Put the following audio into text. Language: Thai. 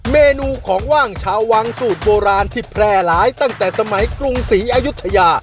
เมนูของว่างชาววังสูตรโบราณที่แพร่หลายตั้งแต่สมัยกรุงศรีอายุทยา